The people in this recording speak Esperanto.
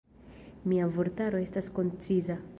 Mia vortaro estas konciza.